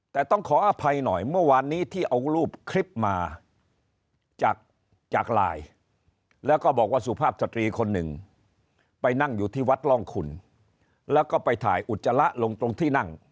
แต่ต้องขออภัยหน่อยเมื่อวานนี้ที่เอารูปคลิปมาจากจากไลน์แล้วก็บอกว่าสุภาพสตรีคนหนึ่งไปนั่งอยู่ที่วัดร่องคุณแล้วก็ไปถ่ายอุจจาระลงตรงที่นั่ง